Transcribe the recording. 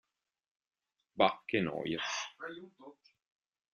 Bah, che noia.